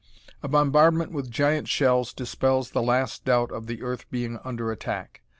A bombardment with giant shells dispels the last doubt of the earth being under attack.